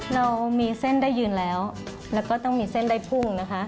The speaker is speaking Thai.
เรามีเส้นได้ยืนแล้วแล้วก็ต้องมีเส้นได้พุ่งนะคะ